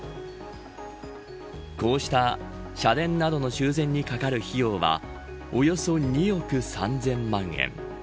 こうした社殿などの修繕にかかる費用はおよそ２億３０００万円。